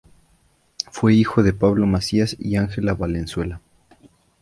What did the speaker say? Fue hijo de Pablo Macías y Ángela Valenzuela.